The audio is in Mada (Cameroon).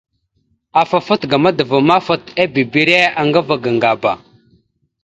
Afa fat ga madəva ma, fat ibibire aŋga ava ga Ŋgaba.